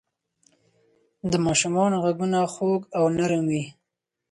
د ماشومانو ږغونه خوږ او نرم وي.